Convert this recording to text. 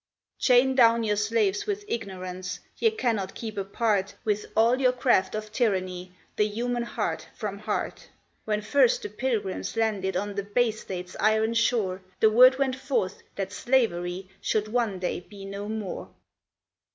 Chain down your slaves with ignorance, ye cannot keep apart, With all your craft of tyranny, the human heart from heart: When first the Pilgrims landed on the Bay State's iron shore, The word went forth that slavery should one day be no more.